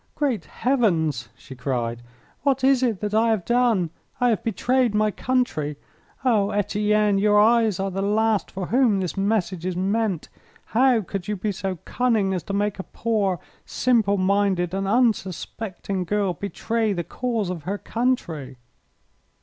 "Great Heavens!" she cried, "what is it that I have done? I have betrayed my country! Oh, Etienne, your eyes are the last for whom this message is meant. How could you be so cunning as to make a poor, simple minded, and unsuspecting girl betray the cause of her country?"